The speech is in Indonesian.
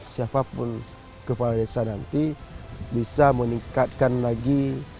siapapun kepala desa nanti bisa meningkatkan lagi